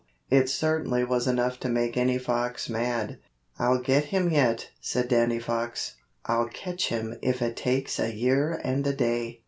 It certainly was enough to make any fox mad. "I'll get him yet," said Danny Fox. "I'll catch him if it takes a year and a day!"